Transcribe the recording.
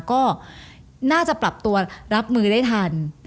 ก็น่าจะปรับตัวรับมือได้ทัน